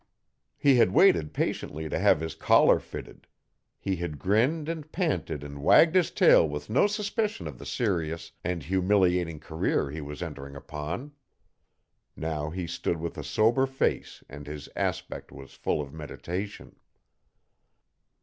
He had waited patiently to have his collar fitted; he had grinned and panted and wagged his tail with no suspicion of the serious and humiliating career he was entering upon. Now he stood with a sober face and his aspect was full of meditation.